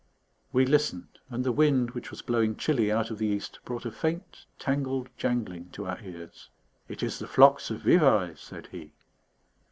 We listened, and the wind, which was blowing chilly out of the east, brought a faint, tangled jangling to our ears. "It is the flocks of Vivarais," said he.